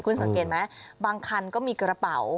คุณสังเกตไหมบางคันก็มีกระเป๋า